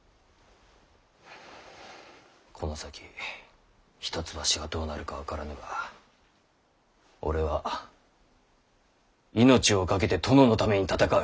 この先一橋がどうなるか分からぬが俺は命をかけて殿のために戦う。